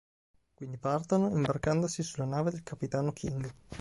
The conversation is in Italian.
Quindi partono, imbarcandosi sulla nave del capitano King.